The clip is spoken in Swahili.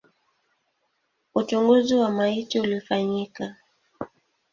Uchunguzi wa maiti ulifanyika.